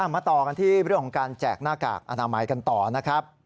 มาต่อกันที่เรื่องของการแจกหน้ากากอนามัยกันต่อนะครับ